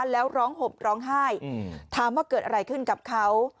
แล้วร้องห่มร้องไห้ถามว่าเกิดอะไรขึ้นกับเขา